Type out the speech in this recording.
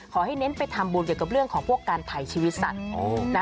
เน้นไปทำบุญเกี่ยวกับเรื่องของพวกการถ่ายชีวิตสัตว์